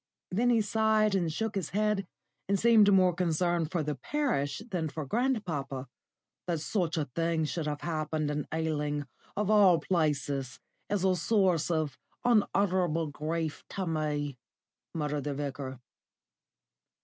Then he sighed and shook his head and seemed more concerned for the parish than for grandpapa. "That such a thing should have happened in Ealing, of all places, is a source of unutterable grief to me," murmured the Vicar.